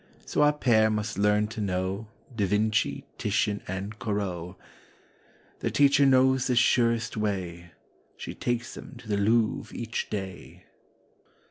So our pair must learn to know Da Vinci, Titian and Corot. Their teacher knows the surest way: She takes them to the Louvre each day.